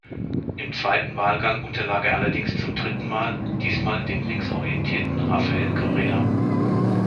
Im zweiten Wahlgang unterlag er allerdings zum dritten Mal, diesmal dem linksorientierten Rafael Correa.